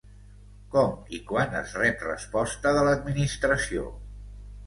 Com i quan es rep resposta de l'administració?